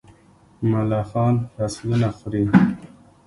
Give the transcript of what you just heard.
ملخان فصلونه خوري.